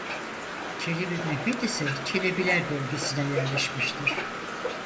Çelebi Mehmet ise "Çelebiler" bölgesine yerleşmiştir.